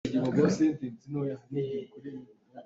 Nangmah he nun ṭi ding ahcun zeipoh ka ngamh ko.